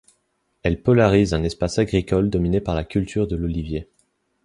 Elle polarise un espace agricole dominé par la culture de l'olivier.